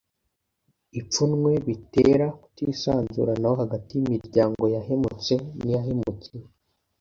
ipfunwe bitera kutisanzuranaho hagati y’imiryango yahemutse n’iyahemukiwe.